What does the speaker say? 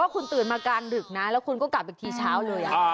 คุณตื่นมากลางดึกนะแล้วคุณก็กลับอีกทีเช้าเลย